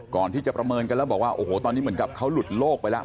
ประเมินกันแล้วบอกว่าโอ้โหตอนนี้เหมือนกับเขาหลุดโลกไปแล้ว